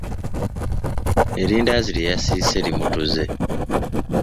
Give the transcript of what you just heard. Erindaazi lye yasiise limutuze.